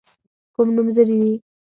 کوم نومځري دي.